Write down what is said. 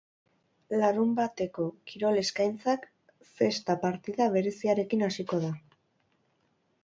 Larunbateko kirol eskaintzak zesta partida bereziarekin hasiko da.